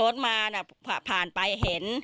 รถมาน่ะผ่านไปเห็น